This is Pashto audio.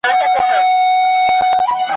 خو چي زه مي د مرګي غېږي ته تللم ,